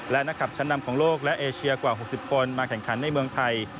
และนักขับชั้นนำของโลกและเอเชียกว่า๖๐คนมาแข่งขันในเมืองไทย